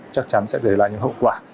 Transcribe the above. chắc chắn sẽ gây lại những hậu quả